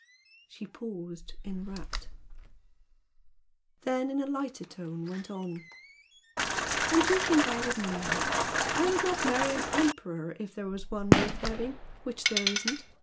She paused, enrapt; then in a lighter tone went on "And you think I would marry? I would not marry an emperor if there were one worth having which there isn't!